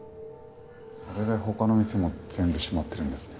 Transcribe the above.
それで他の店も全部閉まってるんですね。